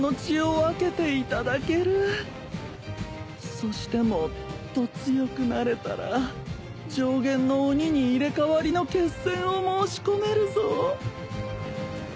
そしてもっと強くなれたら上弦の鬼に入れ替わりの血戦を申し込めるぞ。